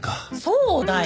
そうだよ。